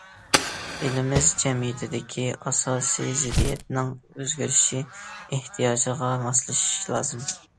ئېلىمىز جەمئىيىتىدىكى ئاساسىي زىددىيەتنىڭ ئۆزگىرىش ئېھتىياجىغا ماسلىشىش لازىم.